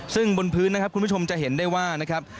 ซึ่งบนพื้นนะครับคุณผู้ชมจะเห็นได้ว่านะครับ